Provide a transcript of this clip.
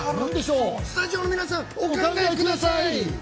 スタジオの皆さんお考えください。